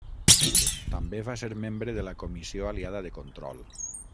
També va ser membre de la Comissió Aliada de Control.